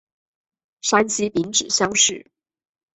山西丙子乡试。